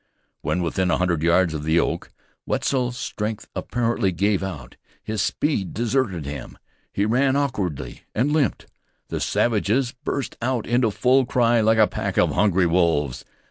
When within a hundred yards of the oak Wetzel's strength apparently gave out. His speed deserted him; he ran awkwardly, and limped. The savages burst out into full cry like a pack of hungry wolves.